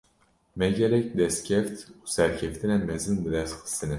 Me, gelek destkeft û serkeftinên mezin bi dest xistine